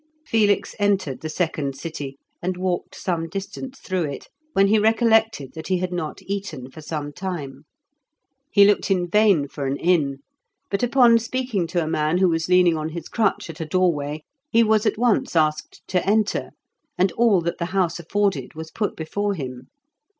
Felix entered the second city and walked some distance through it, when he recollected that he had not eaten for some time. He looked in vain for an inn, but upon speaking to a man who was leaning on his crutch at a doorway, he was at once asked to enter, and all that the house afforded was put before him.